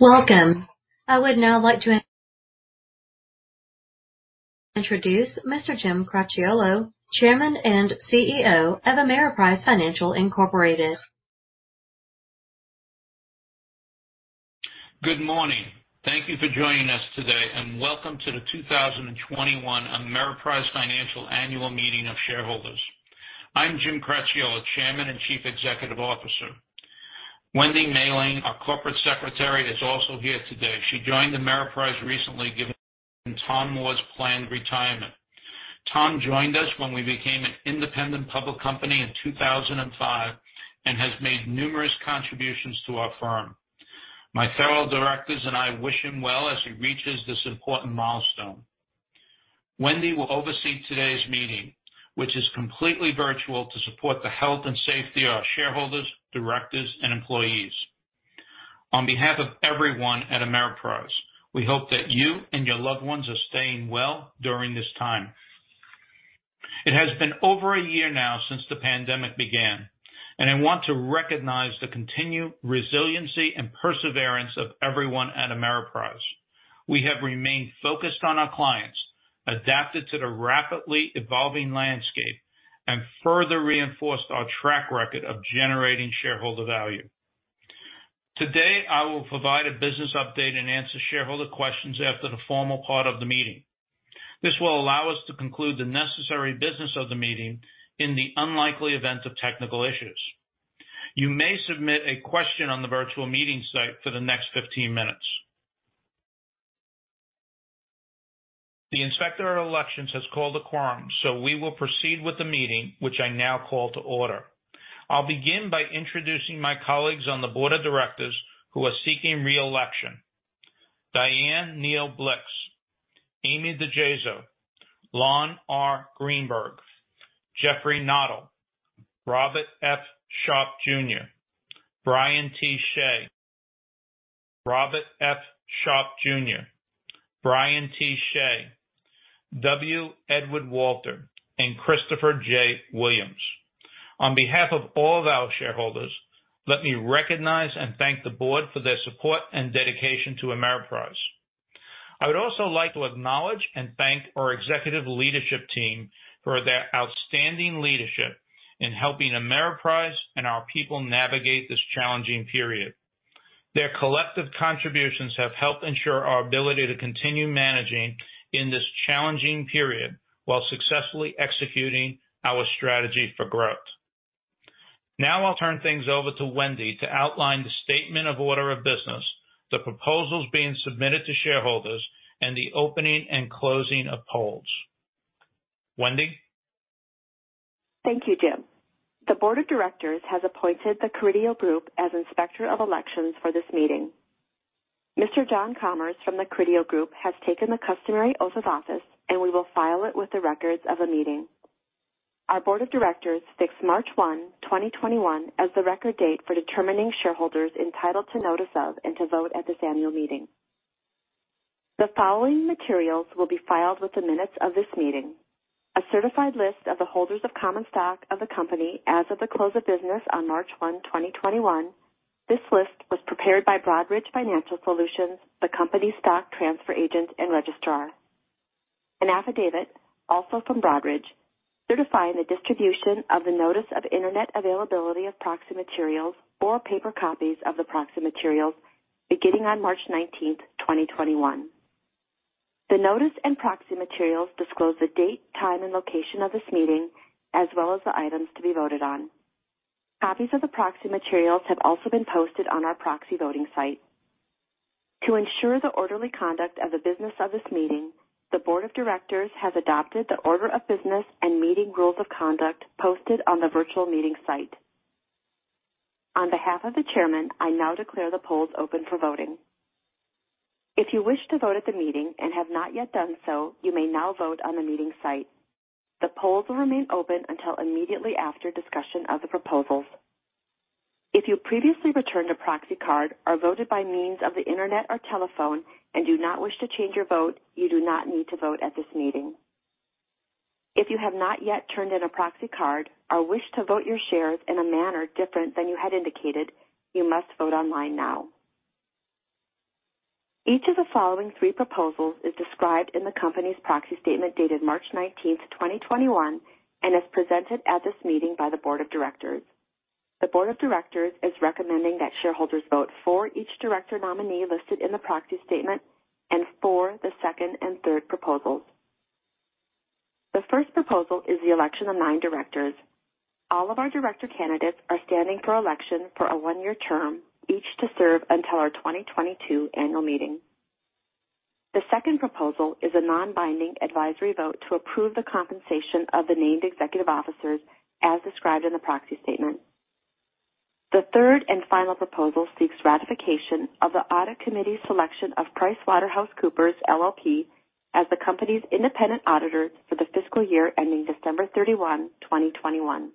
Welcome. I would now like to introduce Mr. James Cracchiolo, Chairman and CEO of Ameriprise Financial Incorporated. Good morning. Thank you for joining us today, and welcome to the 2021 Ameriprise Financial Annual Meeting of Shareholders. I'm Jim Cracchiolo, Chairman and Chief Executive Officer. Wendy Mahling, our Corporate Secretary, is also here today. She joined Ameriprise recently given Tom Moore's planned retirement. Tom joined us when we became an independent public company in 2005 and has made numerous contributions to our firm. My fellow directors and I wish him well as he reaches this important milestone. Wendy will oversee today's meeting, which is completely virtual to support the health and safety of our shareholders, directors, and employees. On behalf of everyone at Ameriprise, we hope that you and your loved ones are staying well during this time. It has been over one year now since the pandemic began, and I want to recognize the continued resiliency and perseverance of everyone at Ameriprise. We have remained focused on our clients, adapted to the rapidly evolving landscape, and further reinforced our track record of generating shareholder value. Today, I will provide a business update and answer shareholder questions after the formal part of the meeting. This will allow us to conclude the necessary business of the meeting in the unlikely event of technical issues. You may submit a question on the virtual meeting site for the next 15 minutes. The Inspector of Elections has called a quorum. We will proceed with the meeting, which I now call to order. I'll begin by introducing my colleagues on the board of directors who are seeking re-election. Dianne Neal Blixt, Amy DiGeso, Lon R. Greenberg, Jeffrey Noddle, Robert F. Sharpe Jr., Brian T. Shea, W. Edward Walter, and Christopher J. Williams. On behalf of all of our shareholders, let me recognize and thank the board for their support and dedication to Ameriprise. I would also like to acknowledge and thank our executive leadership team for their outstanding leadership in helping Ameriprise and our people navigate this challenging period. Their collective contributions have helped ensure our ability to continue managing in this challenging period while successfully executing our strategy for growth. Now I'll turn things over to Wendy to outline the statement of order of business, the proposals being submitted to shareholders, and the opening and closing of polls. Wendy? Thank you, Jim. The board of directors has appointed The Carideo Group as Inspector of Elections for this meeting. Mr. Tony Carideo from The Carideo Group has taken the customary oath of office, and we will file it with the records of the meeting. Our board of directors fixed March 1, 2021, as the record date for determining shareholders entitled to notice of and to vote at this annual meeting. The following materials will be filed with the minutes of this meeting. A certified list of the holders of common stock of the company as of the close of business on March 1, 2021. This list was prepared by Broadridge Financial Solutions, the company stock transfer agent and registrar. An affidavit, also from Broadridge, certifying the distribution of the notice of internet availability of proxy materials or paper copies of the proxy materials beginning on March 19, 2021. The notice and proxy materials disclose the date, time, and location of this meeting, as well as the items to be voted on. Copies of the proxy materials have also been posted on our proxy voting site. To ensure the orderly conduct of the business of this meeting, the board of directors has adopted the order of business and meeting rules of conduct posted on the virtual meeting site. On behalf of the chairman, I now declare the polls open for voting. If you wish to vote at the meeting and have not yet done so, you may now vote on the meeting site. The polls will remain open until immediately after discussion of the proposals. If you previously returned a proxy card or voted by means of the internet or telephone and do not wish to change your vote, you do not need to vote at this meeting. If you have not yet turned in a proxy card or wish to vote your shares in a manner different than you had indicated, you must vote online now. Each of the following three proposals is described in the company's proxy statement dated March 19, 2021, and as presented at this meeting by the board of directors. The board of directors is recommending that shareholders vote for each director nominee listed in the proxy statement and for the second and third proposals. The first proposal is the election of nine directors. All of our director candidates are standing for election for a one-year term, each to serve until our 2022 annual meeting. The second proposal is a non-binding advisory vote to approve the compensation of the named executive officers as described in the proxy statement. The third and final proposal seeks ratification of the Audit Committee's selection of PricewaterhouseCoopers, LLP, as the company's independent auditor for the fiscal year ending December 31, 2021.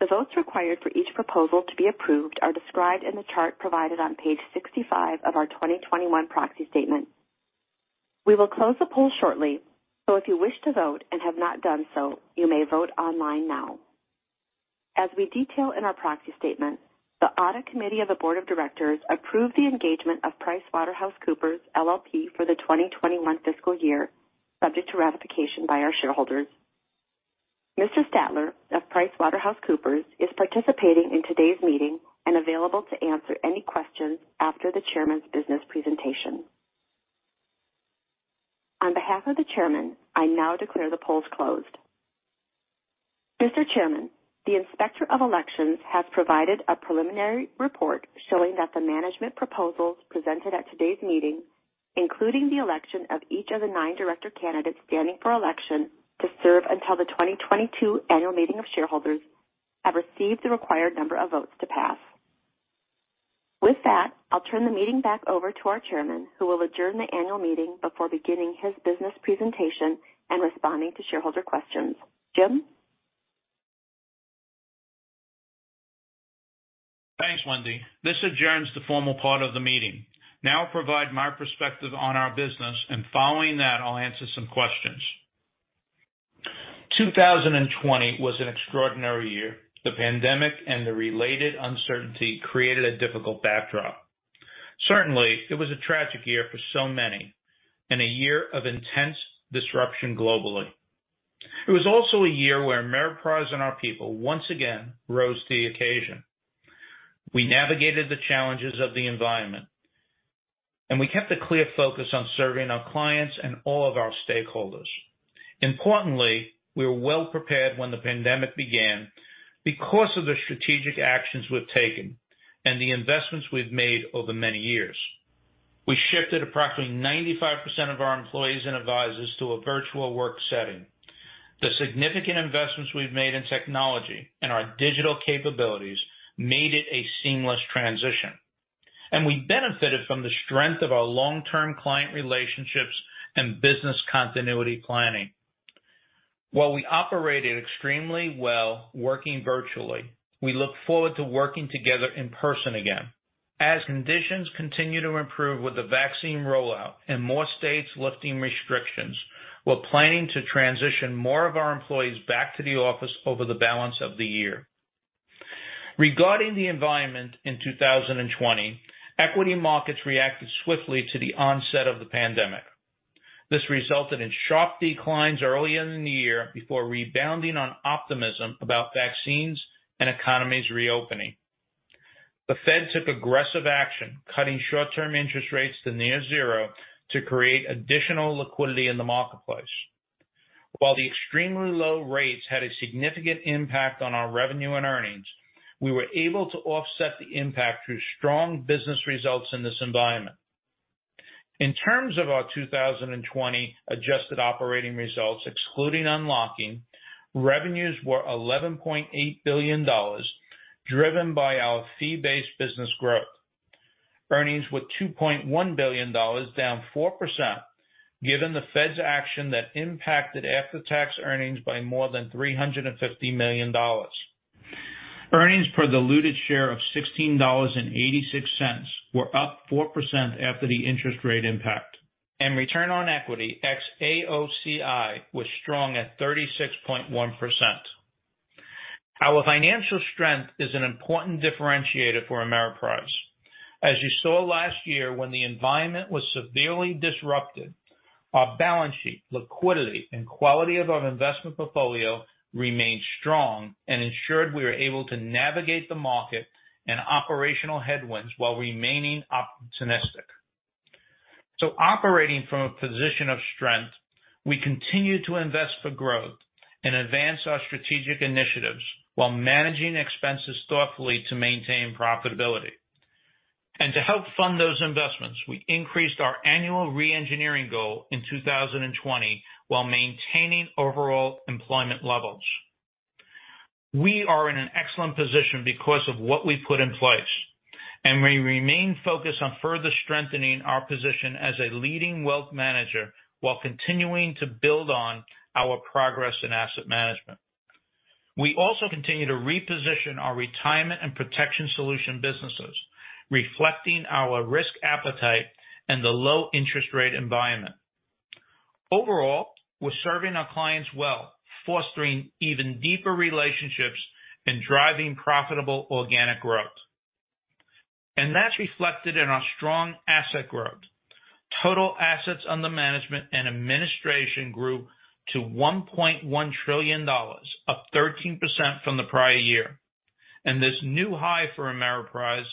The votes required for each proposal to be approved are described in the chart provided on page 65 of our 2021 proxy statement. We will close the poll shortly, so if you wish to vote and have not done so, you may vote online now. As we detail in our proxy statement, the Audit Committee of the Board of Directors approved the engagement of PricewaterhouseCoopers, LLP for the 2021 fiscal year, subject to ratification by our shareholders. Mr. Stadtler of PricewaterhouseCoopers is participating in today's meeting and available to answer any questions after the Chairman's business presentation. On behalf of the Chairman, I now declare the polls closed. Mr. Chairman, the Inspector of Elections has provided a preliminary report showing that the management proposals presented at today's meeting, including the election of each of the nine director candidates standing for election to serve until the 2022 annual meeting of shareholders, have received the required number of votes to pass. With that, I'll turn the meeting back over to our chairman, who will adjourn the annual meeting before beginning his business presentation and responding to shareholder questions. Jim? Thanks, Wendy. This adjourns the formal part of the meeting. I'll provide my perspective on our business, and following that, I'll answer some questions. 2020 was an extraordinary year. The pandemic and the related uncertainty created a difficult backdrop. Certainly, it was a tragic year for so many, and a year of intense disruption globally. It was also a year where Ameriprise and our people once again rose to the occasion. We navigated the challenges of the environment, and we kept a clear focus on serving our clients and all of our stakeholders. Importantly, we were well-prepared when the pandemic began because of the strategic actions we've taken and the investments we've made over many years. We shifted approximately 95% of our employees and advisors to a virtual work setting. The significant investments we've made in technology and our digital capabilities made it a seamless transition, and we benefited from the strength of our long-term client relationships and business continuity planning. While we operated extremely well working virtually, we look forward to working together in person again. As conditions continue to improve with the vaccine rollout and more states lifting restrictions, we're planning to transition more of our employees back to the office over the balance of the year. Regarding the environment in 2020, equity markets reacted swiftly to the onset of the pandemic. This resulted in sharp declines earlier in the year before rebounding on optimism about vaccines and economies reopening. The Fed took aggressive action, cutting short-term interest rates to near zero to create additional liquidity in the marketplace. While the extremely low rates had a significant impact on our revenue and earnings, we were able to offset the impact through strong business results in this environment. In terms of our 2020 adjusted operating results, excluding unlocking, revenues were $11.8 billion, driven by our fee-based business growth. Earnings were $2.1 billion, down 4%, given the Fed's action that impacted after-tax earnings by more than $350 million. Earnings per diluted share of $16.86 were up 4% after the interest rate impact, and return on equity ex AOCI was strong at 36.1%. Our financial strength is an important differentiator for Ameriprise. As you saw last year, when the environment was severely disrupted, our balance sheet, liquidity, and quality of our investment portfolio remained strong and ensured we were able to navigate the market and operational headwinds while remaining opportunistic. Operating from a position of strength, we continue to invest for growth and advance our strategic initiatives while managing expenses thoughtfully to maintain profitability. To help fund those investments, we increased our annual re-engineering goal in 2020 while maintaining overall employment levels. We are in an excellent position because of what we've put in place, and we remain focused on further strengthening our position as a leading wealth manager while continuing to build on our progress in asset management. We also continue to reposition our retirement and protection solution businesses, reflecting our risk appetite and the low interest rate environment. Overall, we're serving our clients well, fostering even deeper relationships and driving profitable organic growth. That's reflected in our strong asset growth. Total assets under management and administration grew to $1.1 trillion, up 13% from the prior year. This new high for Ameriprise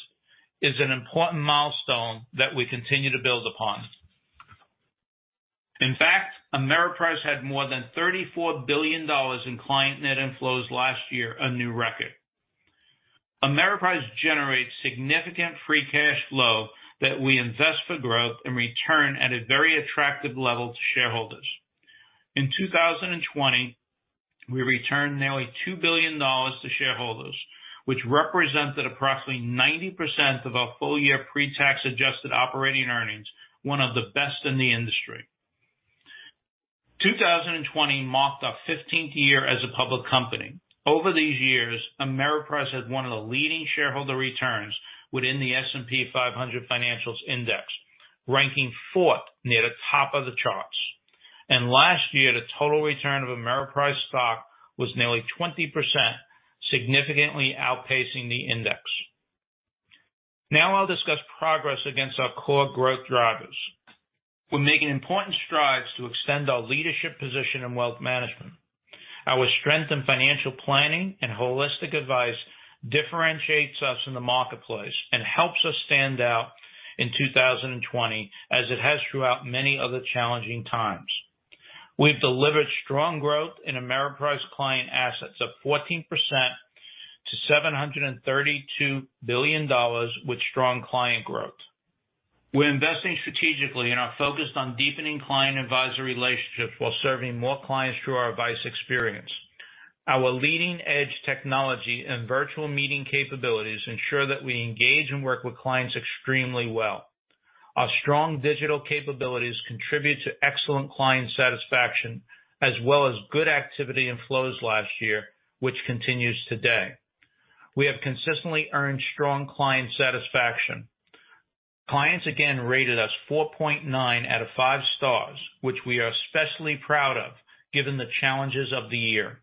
is an important milestone that we continue to build upon. In fact, Ameriprise had more than $34 billion in client net inflows last year, a new record. Ameriprise generates significant free cash flow that we invest for growth and return at a very attractive level to shareholders. In 2020, we returned nearly $2 billion to shareholders, which represented approximately 90% of our full-year pre-tax adjusted operating earnings, one of the best in the industry. 2020 marked our 15th year as a public company. Over these years, Ameriprise has one of the leading shareholder returns within the S&P 500 Financials Index, ranking fourth near the top of the charts. Last year, the total return of Ameriprise stock was nearly 20%, significantly outpacing the index. I'll discuss progress against our core growth drivers. We're making important strides to extend our leadership position in wealth management. Our strength in financial planning and holistic advice differentiates us in the marketplace and helps us stand out in 2020, as it has throughout many other challenging times. We've delivered strong growth in Ameriprise client assets of 14% to $732 billion with strong client growth. We're investing strategically and are focused on deepening client advisory relationships while serving more clients through our advice experience. Our leading-edge technology and virtual meeting capabilities ensure that we engage and work with clients extremely well. Our strong digital capabilities contribute to excellent client satisfaction as well as good activity inflows last year, which continues today. We have consistently earned strong client satisfaction. Clients again rated us 4.9 out of five stars, which we are especially proud of given the challenges of the year.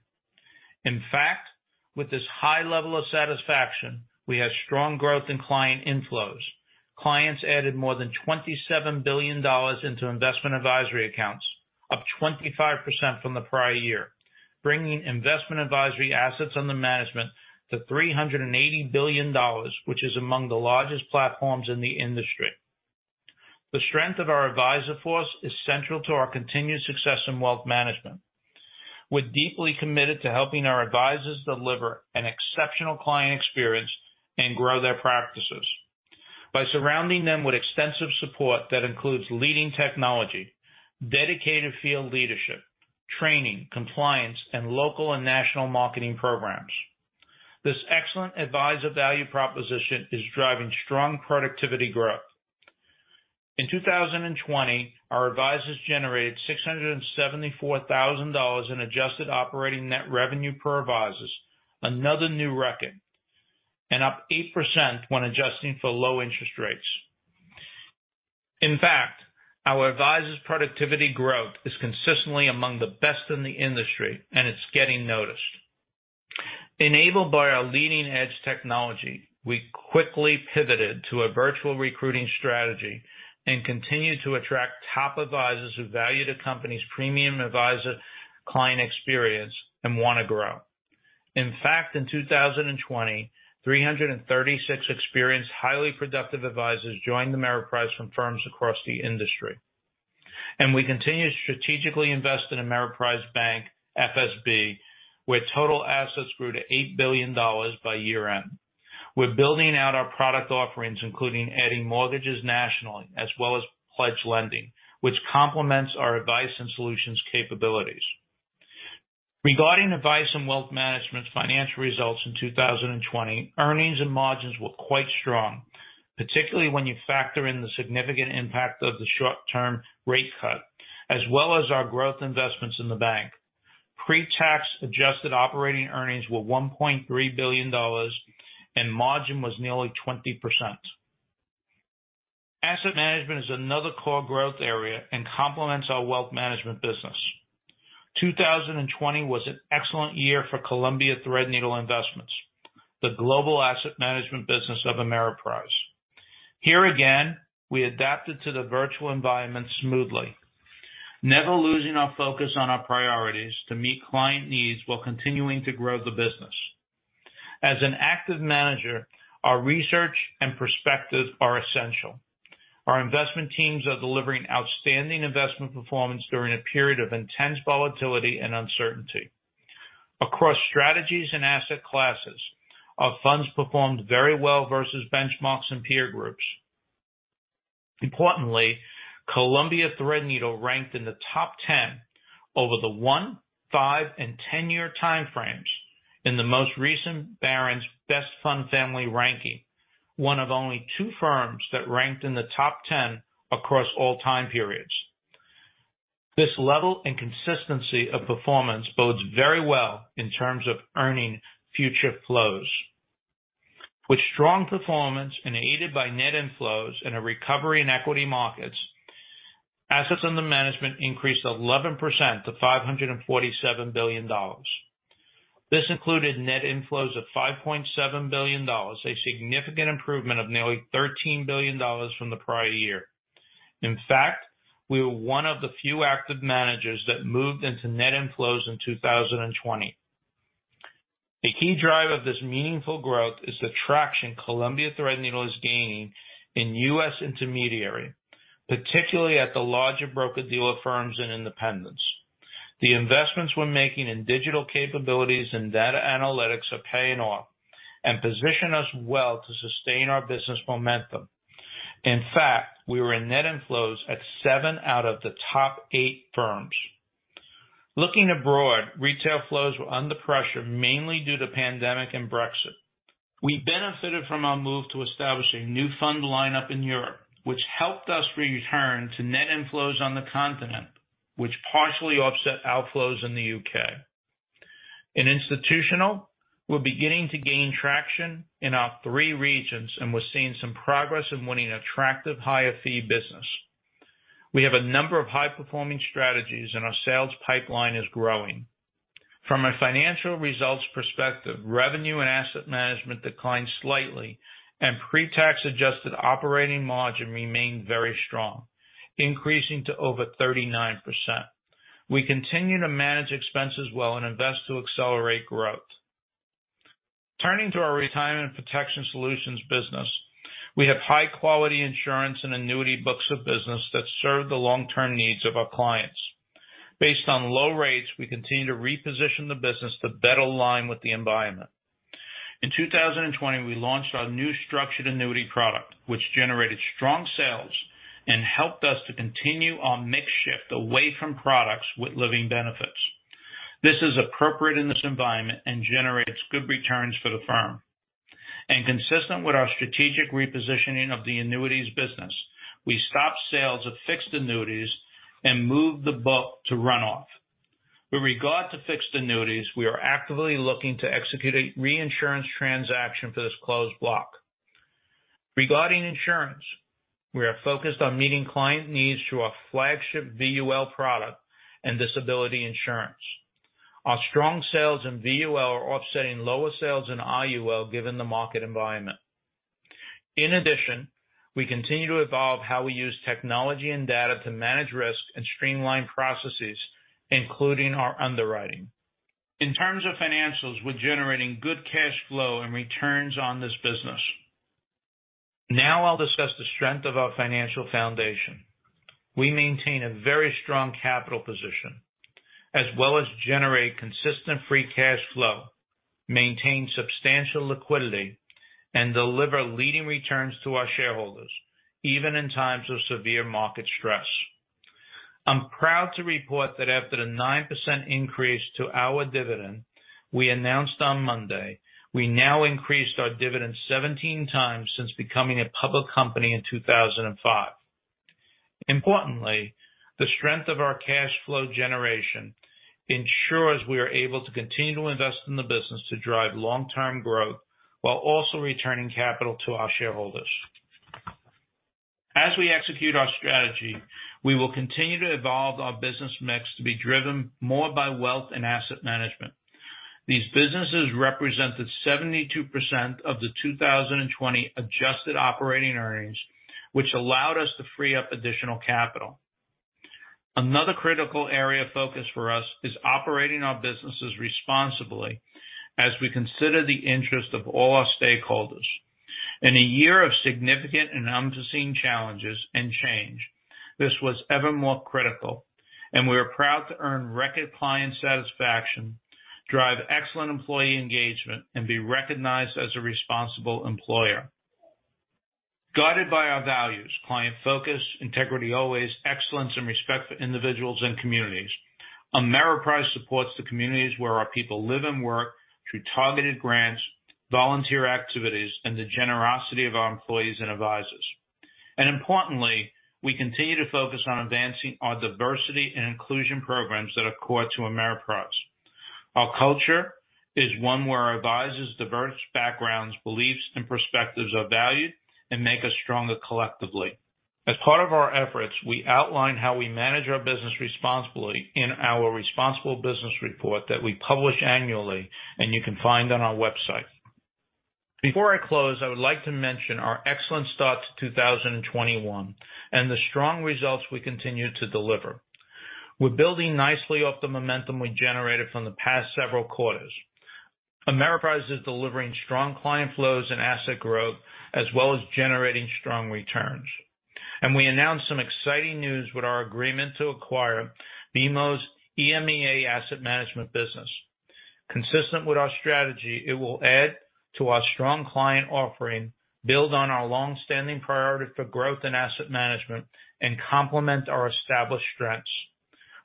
In fact, with this high level of satisfaction, we had strong growth in client inflows. Clients added more than $27 billion into investment advisory accounts, up 25% from the prior year, bringing investment advisory assets under management to $380 billion, which is among the largest platforms in the industry. The strength of our advisor force is central to our continued success in wealth management. We're deeply committed to helping our advisors deliver an exceptional client experience and grow their practices by surrounding them with extensive support that includes leading technology, dedicated field leadership, training, compliance, and local and national marketing programs. This excellent advisor value proposition is driving strong productivity growth. In 2020, our advisors generated $674,000 in adjusted operating net revenue per advisors, another new record, and up 8% when adjusting for low interest rates. In fact, our advisors' productivity growth is consistently among the best in the industry, and it's getting noticed. Enabled by our leading-edge technology, we quickly pivoted to a virtual recruiting strategy and continue to attract top advisors who value the company's premium advisor-client experience and want to grow. In fact, in 2020, 336 experienced, highly productive advisors joined Ameriprise from firms across the industry. We continue to strategically invest in Ameriprise Bank, FSB, where total assets grew to $8 billion by year-end. We're building out our product offerings, including adding mortgages nationally as well as pledge lending, which complements our advice and solutions capabilities. Regarding advice and wealth management financial results in 2020, earnings and margins were quite strong, particularly when you factor in the significant impact of the short-term rate cut, as well as our growth investments in the bank. Pre-tax adjusted operating earnings were $1.3 billion and margin was nearly 20%. Asset management is another core growth area and complements our wealth management business. 2020 was an excellent year for Columbia Threadneedle Investments, the global asset management business of Ameriprise. Here again, we adapted to the virtual environment smoothly, never losing our focus on our priorities to meet client needs while continuing to grow the business. As an active manager, our research and perspective are essential. Our investment teams are delivering outstanding investment performance during a period of intense volatility and uncertainty. Across strategies and asset classes, our funds performed very well versus benchmarks and peer groups. Importantly, Columbia Threadneedle ranked in the top 10 over the one, five, and 10-year time frames in the most recent Barron's Best Fund Families ranking, one of only two firms that ranked in the top 10 across all time periods. This level and consistency of performance bodes very well in terms of earning future flows. With strong performance and aided by net inflows and a recovery in equity markets, assets under management increased 11% to $547 billion. This included net inflows of $5.7 billion, a significant improvement of nearly $13 billion from the prior year. In fact, we were one of the few active managers that moved into net inflows in 2020. A key driver of this meaningful growth is the traction Columbia Threadneedle has gained in U.S. intermediary, particularly at the larger broker-dealer firms and independents. The investments we're making in digital capabilities and data analytics are paying off and position us well to sustain our business momentum. In fact, we were in net inflows at seven out of the top eight firms. Looking abroad, retail flows were under pressure, mainly due to pandemic and Brexit. We benefited from our move to establish a new fund lineup in Europe, which helped us return to net inflows on the continent, which partially offset outflows in the U.K. In institutional, we're beginning to gain traction in our three regions, and we're seeing some progress in winning attractive higher fee business. We have a number of high-performing strategies, and our sales pipeline is growing. From a financial results perspective, revenue and asset management declined slightly, and pre-tax adjusted operating margin remained very strong, increasing to over 39%. We continue to manage expenses well and invest to accelerate growth. Turning to our retirement protection solutions business, we have high-quality insurance and annuity books of business that serve the long-term needs of our clients. Based on low rates, we continue to reposition the business to better align with the environment. In 2020, we launched our new structured annuity product, which generated strong sales and helped us to continue our mix shift away from products with living benefits. This is appropriate in this environment and generates good returns for the firm. Consistent with our strategic repositioning of the annuities business, we stopped sales of fixed annuities and moved the book to run-off. With regard to fixed annuities, we are actively looking to execute a reinsurance transaction for this closed block. Regarding insurance, we are focused on meeting client needs through our flagship VUL product and disability insurance. Our strong sales in VUL are offsetting lower sales in IUL given the market environment. In addition, we continue to evolve how we use technology and data to manage risk and streamline processes, including our underwriting. In terms of financials, we're generating good cash flow and returns on this business. I'll discuss the strength of our financial foundation. We maintain a very strong capital position, as well as generate consistent free cash flow, maintain substantial liquidity, and deliver leading returns to our shareholders, even in times of severe market stress. I'm proud to report that after the 9% increase to our dividend we announced on Monday, we now increased our dividend 17x since becoming a public company in 2005. Importantly, the strength of our cash flow generation ensures we are able to continue to invest in the business to drive long-term growth while also returning capital to our shareholders. As we execute our strategy, we will continue to evolve our business mix to be driven more by wealth and asset management. These businesses represented 72% of the 2020 adjusted operating earnings, which allowed us to free up additional capital. Another critical area of focus for us is operating our businesses responsibly as we consider the interest of all our stakeholders. In a year of significant and unforeseen challenges and change, this was ever more critical, and we are proud to earn record client satisfaction, drive excellent employee engagement, and be recognized as a responsible employer. Guided by our values, client focus, integrity always, excellence, and respect for individuals and communities, Ameriprise supports the communities where our people live and work through targeted grants, volunteer activities, and the generosity of our employees and advisors. Importantly, we continue to focus on advancing our diversity and inclusion programs that are core to Ameriprise. Our culture is one where our advisors' diverse backgrounds, beliefs, and perspectives are valued and make us stronger collectively. As part of our efforts, we outline how we manage our business responsibly in our responsible business report that we publish annually, and you can find on our website. Before I close, I would like to mention our excellent start to 2021 and the strong results we continue to deliver. We're building nicely off the momentum we generated from the past several quarters. Ameriprise is delivering strong client flows and asset growth, as well as generating strong returns. We announced some exciting news with our agreement to acquire BMO's EMEA asset management business. Consistent with our strategy, it will add to our strong client offering, build on our long-standing priority for growth in asset management, and complement our established strengths.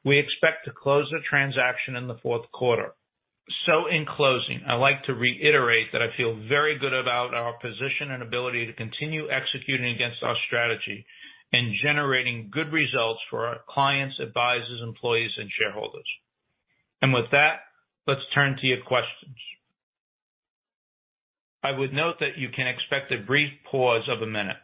We expect to close the transaction in the fourth quarter. In closing, I'd like to reiterate that I feel very good about our position and ability to continue executing against our strategy and generating good results for our clients, advisors, employees, and shareholders. With that, let's turn to your questions. I would note that you can expect a brief pause of a minute.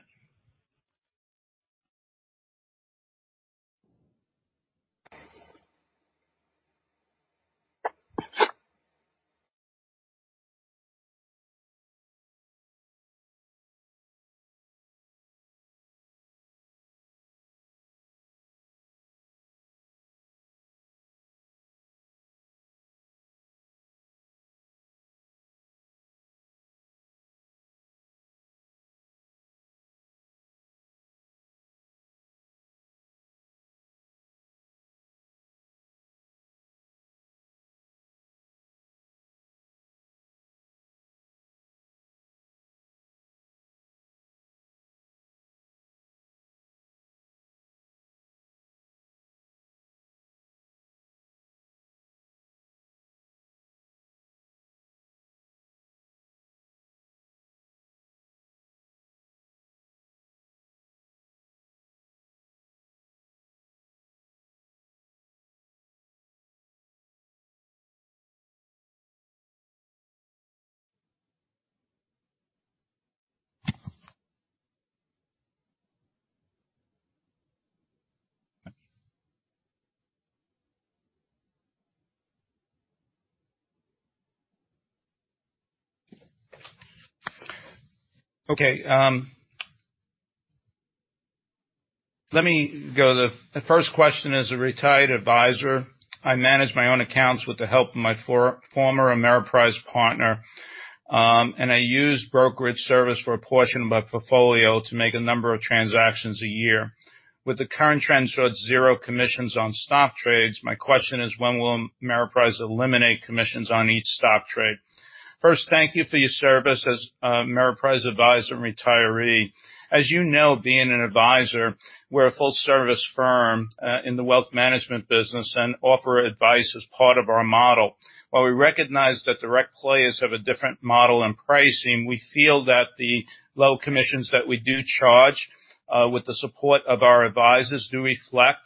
Okay. Let me go. The first question is, "As a retired advisor, I manage my own accounts with the help of my former Ameriprise partner, and I use brokerage service for a portion of my portfolio to make a number of transactions a year. With the current trends towards $0 commissions on stock trades, my question is when will Ameriprise eliminate commissions on each stock trade?" First, thank you for your service as Ameriprise advisor and retiree. As you know, being an advisor, we're a full service firm in the wealth management business and offer advice as part of our model. While we recognize that direct players have a different model and pricing, we feel that the low commissions that we do charge, with the support of our advisors, do reflect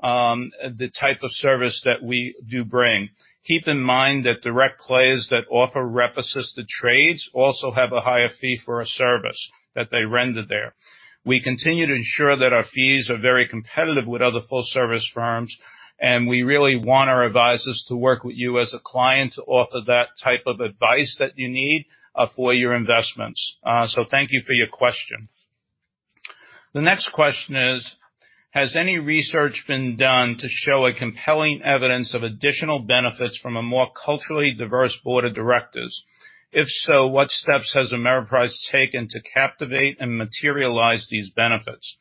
the type of service that we do bring. Keep in mind that direct players that offer rep assisted trades also have a higher fee for a service that they render there. We continue to ensure that our fees are very competitive with other full service firms, and we really want our advisors to work with you as a client to offer that type of advice that you need for your investments. Thank you for your question. The next question is, "Has any research been done to show a compelling evidence of additional benefits from a more culturally diverse board of directors? If so, what steps has Ameriprise taken to captivate and materialize these benefits?"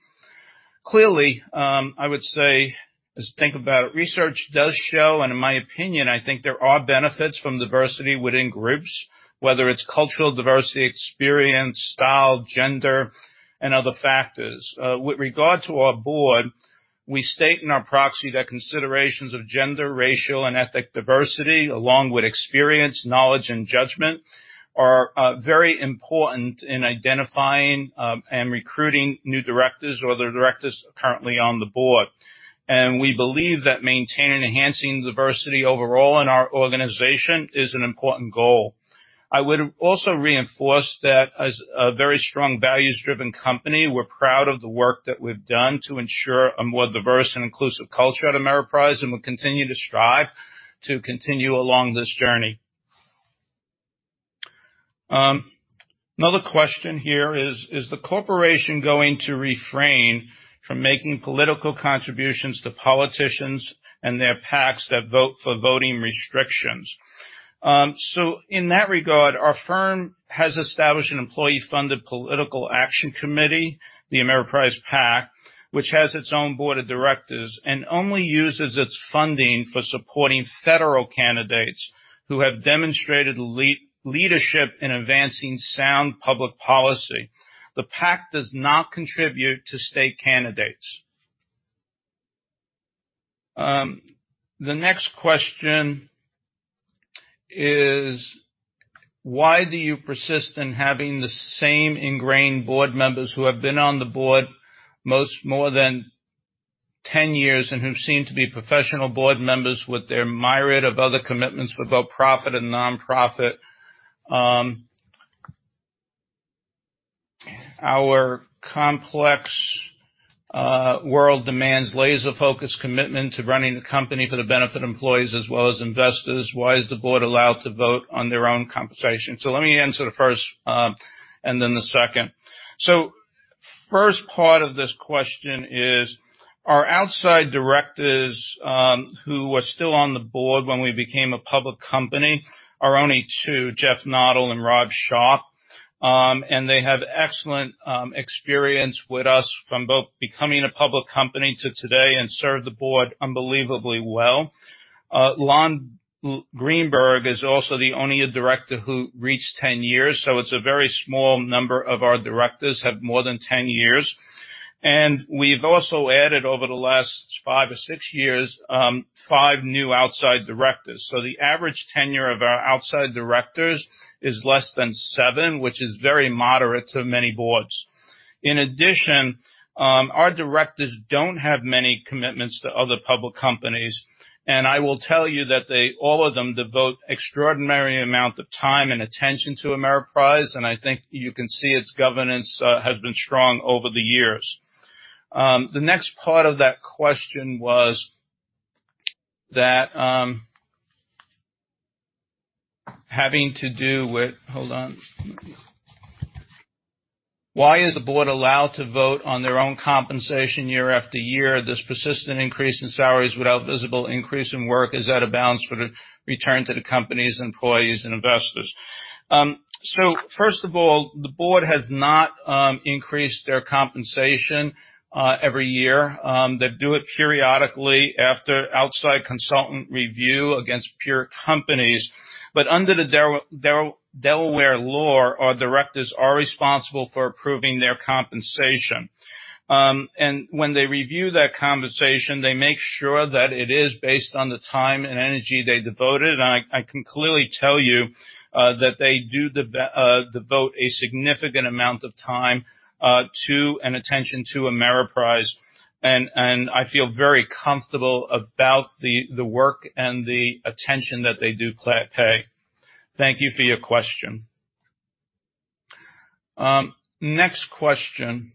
Clearly, I would say, as I think about it, research does show, and in my opinion, I think there are benefits from diversity within groups, whether it's cultural diversity, experience, style, gender, and other factors. With regard to our board, we state in our proxy that considerations of gender, racial, and ethnic diversity, along with experience, knowledge, and judgment, are very important in identifying and recruiting new directors or other directors currently on the board. We believe that maintaining and enhancing diversity overall in our organization is an important goal. I would also reinforce that as a very strong values-driven company, we're proud of the work that we've done to ensure a more diverse and inclusive culture at Ameriprise, and we continue to strive to continue along this journey. Another question here is, "Is the corporation going to refrain from making political contributions to politicians and their PACs that vote for voting restrictions?" In that regard, our firm has established an employee-funded political action committee, the Ameriprise PAC, which has its own board of directors and only uses its funding for supporting federal candidates who have demonstrated leadership in advancing sound public policy. The PAC does not contribute to state candidates. The next question is, "Why do you persist in having the same ingrained board members who have been on the board more than 10 years and who seem to be professional board members with their myriad of other commitments, for both profit and nonprofit? Our complex world demands laser-focused commitment to running the company for the benefit of employees as well as investors. Why is the board allowed to vote on their own compensation?" Let me answer the first, and then the second. First part of this question is, our outside directors who were still on the board when we became a public company are only two, Jeffrey Noddle and Rob Sharpe. They have excellent experience with us from both becoming a public company to today and serve the board unbelievably well. Lon Greenberg is also the only director who reached 10 years, so it's a very small number of our directors have more than 10 years. We've also added over the last five or six years, five new outside directors. The average tenure of our outside directors is less than seven, which is very moderate to many boards. In addition, our directors don't have many commitments to other public companies, and I will tell you that all of them devote extraordinary amount of time and attention to Ameriprise, and I think you can see its governance has been strong over the years. The next part of that question was, Hold on. "Why is the board allowed to vote on their own compensation year after year? This persistent increase in salaries without visible increase in work is out of bounds for the return to the company's employees and investors. First of all, the board has not increased their compensation every year. They do it periodically after outside consultant review against peer companies. Under the Delaware law, our directors are responsible for approving their compensation. When they review that compensation, they make sure that it is based on the time and energy they devoted. I can clearly tell you that they do devote a significant amount of time and attention to Ameriprise. And I feel very comfortable about the work and the attention that they do pay. Thank you for your question. Next question.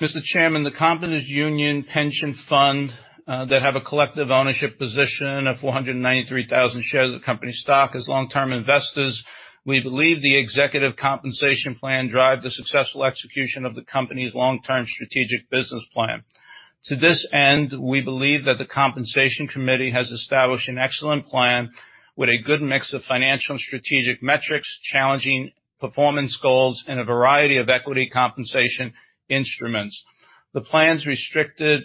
"Mr. Chairman, the Companies union pension fund that have a collective ownership position of 493,000 shares of the company stock. As long-term investors, we believe the executive compensation plan drive the successful execution of the company's long-term strategic business plan. To this end, we believe that the compensation committee has established an excellent plan with a good mix of financial and strategic metrics, challenging performance goals, and a variety of equity compensation instruments. The plan's restricted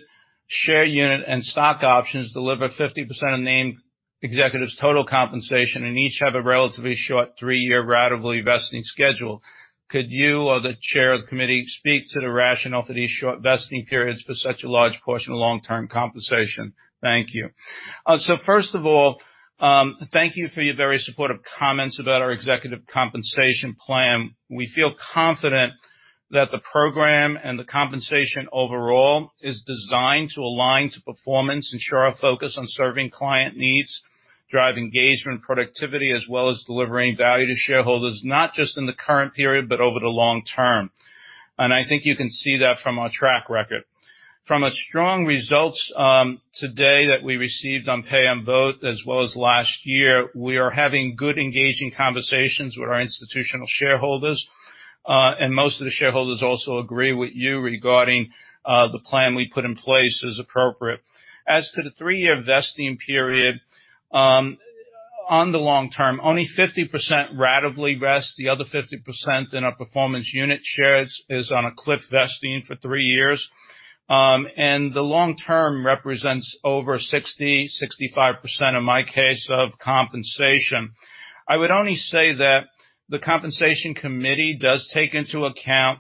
share unit and stock options deliver 50% of named executives' total compensation and each have a relatively short three-year ratably vesting schedule. Could you or the chair of the committee speak to the rationale for these short vesting periods for such a large portion of long-term compensation? Thank you. First of all, thank you for your very supportive comments about our executive compensation plan. We feel confident that the program and the compensation overall is designed to align to performance, ensure our focus on serving client needs, drive engagement and productivity, as well as delivering value to shareholders, not just in the current period, but over the long term. I think you can see that from our track record. From a strong results today that we received on pay and vote as well as last year, we are having good, engaging conversations with our institutional shareholders. Most of the shareholders also agree with you regarding the plan we put in place is appropriate. As to the three-year vesting period, on the long term, only 50% ratably vest. The other 50% in our performance unit shares is on a cliff vesting for three years. The long term represents over 60%-65% in my case of compensation. I would only say that the compensation committee does take into account,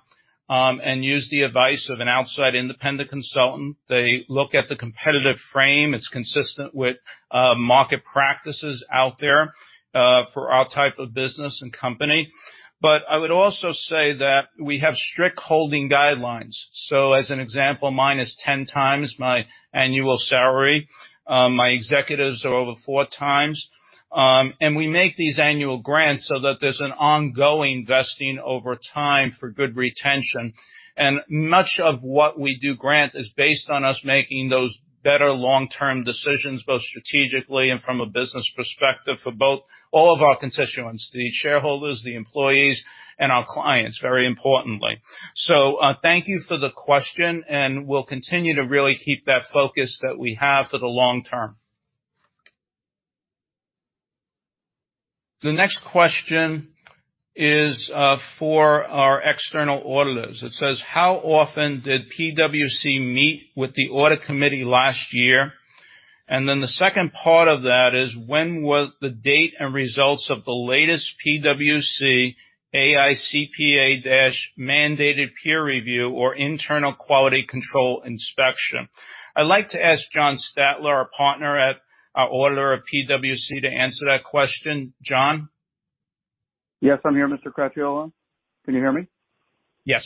and use the advice of an outside independent consultant. They look at the competitive frame. It's consistent with market practices out there, for our type of business and company. I would also say that we have strict holding guidelines. As an example, mine is 10x my annual salary. My executives are over four times. We make these annual grants so that there's an ongoing vesting over time for good retention. Much of what we do grant is based on us making those better long-term decisions, both strategically and from a business perspective for both all of our constituents, the shareholders, the employees, and our clients, very importantly. Thank you for the question, and we'll continue to really keep that focus that we have for the long term. The next question is for our external auditors. It says, "How often did PwC meet with the audit committee last year?" The second part of that is, "When was the date and results of the latest PwC AICPA-mandated peer review or internal quality control inspection?" I'd like to ask John Stadtler, our auditor at PwC, to answer that question. John? Yes, I'm here, Mr. Cracchiolo. Can you hear me? Yes.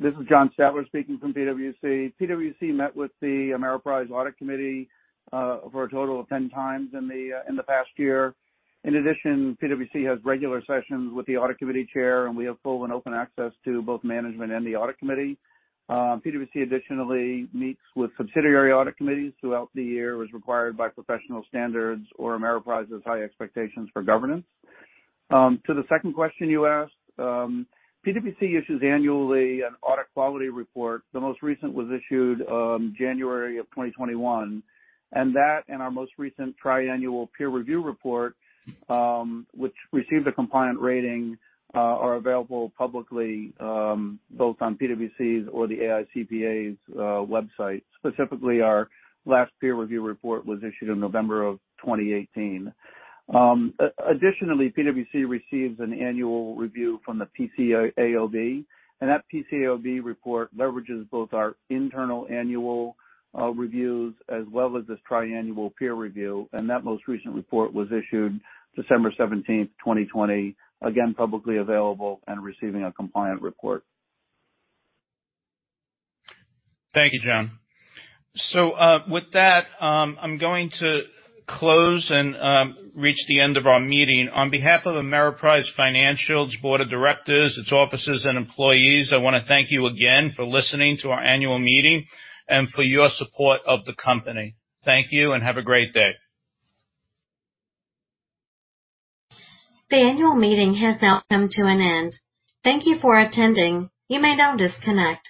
This is John Stadtler speaking from PwC. PwC met with the Ameriprise Audit Committee for a total of 10x in the past year. PwC has regular sessions with the audit committee chair, and we have full and open access to both management and the audit committee. PwC additionally meets with subsidiary audit committees throughout the year as required by professional standards or Ameriprise's high expectations for governance. To the second question you asked, PwC issues annually an audit quality report. The most recent was issued January of 2021. That and our most recent triennial peer review report, which received a compliant rating, are available publicly, both on PwC's or the AICPA's website. Specifically, our last peer review report was issued in November of 2018. Additionally, PwC receives an annual review from the PCAOB, and that PCAOB report leverages both our internal annual reviews as well as this triennial peer review. That most recent report was issued December 17, 2020. Again, publicly available and receiving a compliant report. Thank you, John. With that, I'm going to close and reach the end of our meeting. On behalf of Ameriprise Financial, its board of directors, its officers, and employees, I want to thank you again for listening to our annual meeting and for your support of the company. Thank you, and have a great day. The annual meeting has now come to an end. Thank you for attending. You may now disconnect.